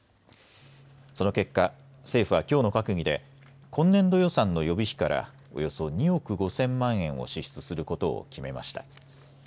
その結果、政府はきょうの閣議で今年度予算の予備費からおよそ２億５０００万円を支出することを決めました。